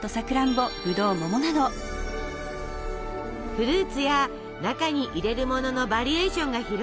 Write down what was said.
フルーツや中に入れるもののバリエーションが広がり